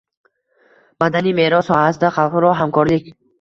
Madaniy meros sohasida xalqaro hamkorlik